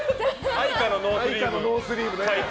愛花のノースリーブ。